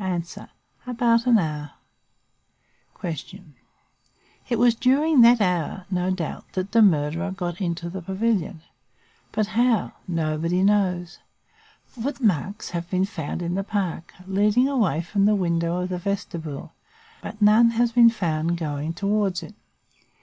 "A. About an hour. "Q. It was during that hour, no doubt, that the murderer got into the pavilion. But how? Nobody knows. Footmarks have been found in the park, leading away from the window of the vestibule, but none has been found going towards it.